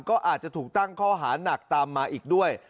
ก็อาจจะถูกตั้งข้อหานักตามมาอีกด้วย